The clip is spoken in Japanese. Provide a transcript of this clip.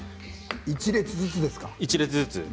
１列ずつですね。